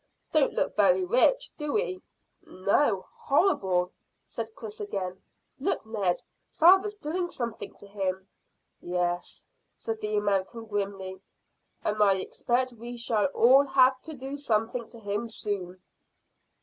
Don't look very rich, do he?" "No: horrible," said Chris again. "Look, Ned; father's doing something to him." "Yes," said the American grimly, "and I expect we shall all have to do something to him soon."